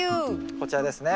こちらですね。